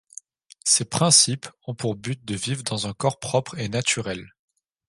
Ces principes ont pour but de vivre dans un corps propre et naturel.